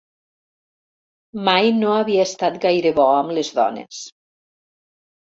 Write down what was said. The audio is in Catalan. Mai no havia estat gaire bo amb les dones.